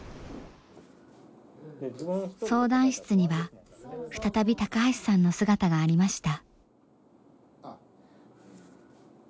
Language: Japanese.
相談室には再び高橋さんの姿がありました。